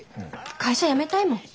会社辞めたいもん。